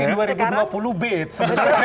iya ini pasti dua ribu dua puluh beats